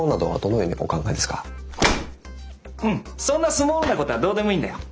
そんなスモールなことはどうでもいいんだよ。